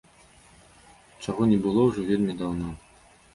Чаго не было ўжо вельмі даўно.